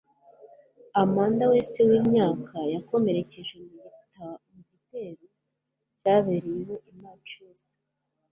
Amanda West w'imyaka yakomerekeye mu gitero cyabereye iwe i Manchester